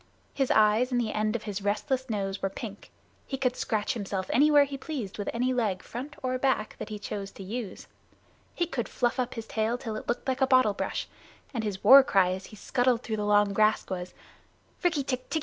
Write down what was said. His eyes and the end of his restless nose were pink. He could scratch himself anywhere he pleased with any leg, front or back, that he chose to use. He could fluff up his tail till it looked like a bottle brush, and his war cry as he scuttled through the long grass was: "Rikk tikk tikki tikki tchk!"